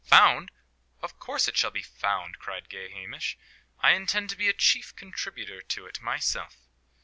"Found! of course it shall be found," cried gay Hamish. "I intend to be a chief contributor to it myself."